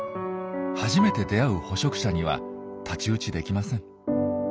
初めて出会う捕食者には太刀打ちできません。